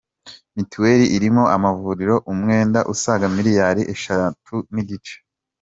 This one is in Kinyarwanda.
Mitiweli irimo amavuriro umwenda usaga Miliyari eshatu nigice